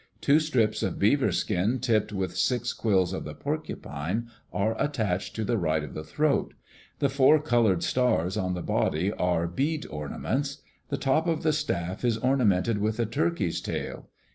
Two strips of beaver skin tipped with six quills of the porcupine are attached to the right of the throat. The four colored stars on the body are bead ornaments. The top of the staff is ornamented with a turkey's tail.